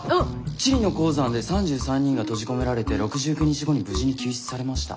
チリの鉱山で３３人が閉じ込められて６９日後に無事に救出されました。